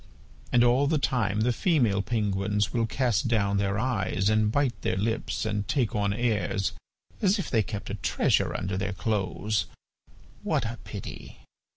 And all the time the female penguins will cast down their eyes and bite their lips, and take on airs as if they kept a treasure under their clothes! ... what a pity!